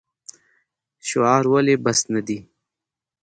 شعار ولې بس نه دی؟